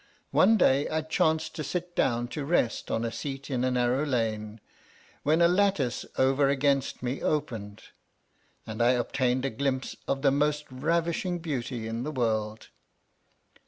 One day, I chanced to sit down to rest on a seat in a narrow lane, when a lattice over against me opened, and I obtained a glimpse of the most ravishing Beauty in the world.